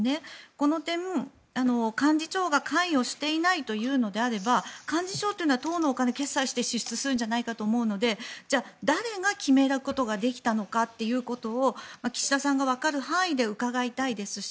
この点、幹事長が関与していないというのであれば幹事長というのは党のお金を決裁して支出するんじゃないかと思うのでじゃあ、誰が決めることができたのかということを岸田さんがわかる範囲で伺いたいですし